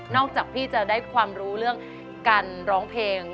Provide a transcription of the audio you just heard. จากพี่จะได้ความรู้เรื่องการร้องเพลง